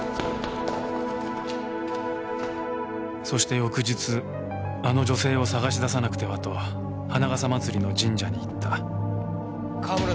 そして翌日あの女性を捜し出さなくてはと花笠祭りの神社に行った。